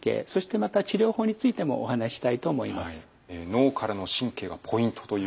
脳からの神経がポイントということで。